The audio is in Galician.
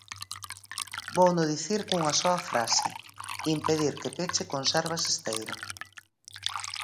Vouno dicir cunha soa frase: impedir que peche Conservas Esteiro.